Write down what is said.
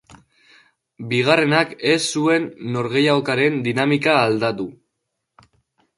Bigarrenak ez zuen norgehiagokaren dinamika aldatu.